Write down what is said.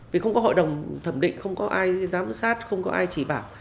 vì không có hội đồng thẩm định không có ai giám sát không có ai chỉ bảo